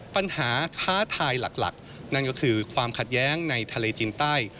ปัญหาท้าทายหลักนั่นก็คือความขัดแย้งในทะเลจีนใต้